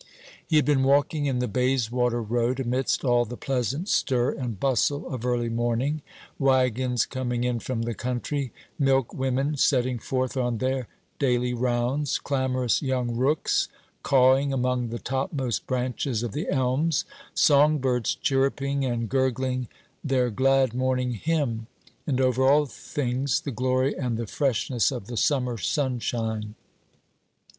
He had been walking in the Bayswater Road, amidst all the pleasant stir and bustle of early morning. Waggons coming in from the country, milkwomen setting forth on their daily rounds, clamorous young rooks cawing among the topmost branches of the elms, song birds chirruping and gurgling their glad morning hymn; and over all things the glory and the freshness of the summer sunshine.